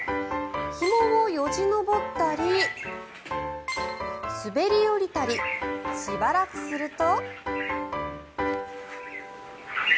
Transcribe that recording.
ひもをよじ登ったり滑り降りたりしばらくすると。